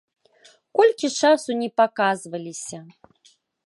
Колькі часу не паказваліся.